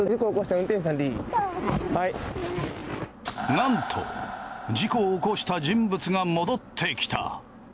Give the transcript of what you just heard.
なんと事故を起こした人物が戻ってきた。